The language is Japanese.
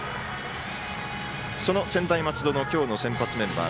その専大松戸の今日の先発メンバー。